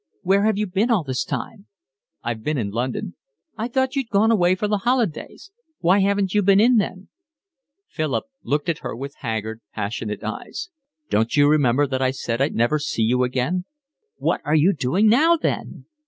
"Where have you been all this time?" "I've been in London." "I thought you'd gone away for the holidays. Why haven't you been in then?" Philip looked at her with haggard, passionate eyes. "Don't you remember that I said I'd never see you again?" "What are you doing now then?"